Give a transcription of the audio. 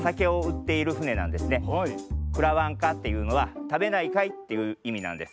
「くらわんか」っていうのは「たべないかい？」っていういみなんです。